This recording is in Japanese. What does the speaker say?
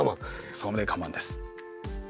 そこまでは我慢です。